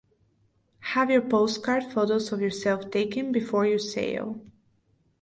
Have your postcard photos of yourself taken before you sail.